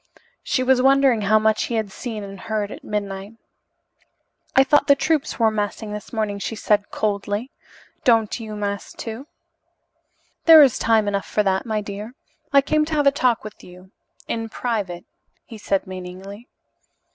She was wondering how much he had seen and heard at midnight. "I thought the troops were massing this morning," she said coldly. "Don't you mass, too?" "There is time enough for that, my dear. I came to have a talk with you in private," he said meaningly.